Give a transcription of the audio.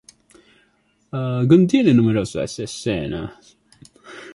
Contiene numerosas escenas.